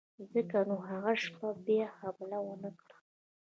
ځکه یې نو هغه شپه بیا حمله ونه کړه.